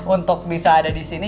untuk bisa ada di sini